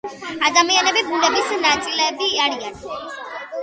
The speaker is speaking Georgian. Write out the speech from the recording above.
ადამიანები ბუნების ნაწილები არიან